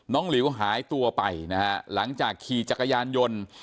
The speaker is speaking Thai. หลิวหายตัวไปนะฮะหลังจากขี่จักรยานยนต์